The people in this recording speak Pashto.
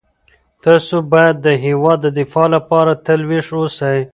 تاسو باید د هیواد د دفاع لپاره تل ویښ اوسئ.